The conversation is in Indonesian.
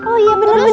oh iya benar benar